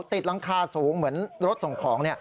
ติดหลังคาสูงเหมือนรถส่งของ